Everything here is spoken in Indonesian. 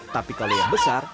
tapi kalau yang besar